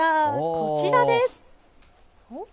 こちらです。